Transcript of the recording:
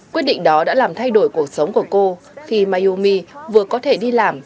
quyết định đó đã làm thay đổi cuộc sống của cô khi mayumi vừa có thể đi làm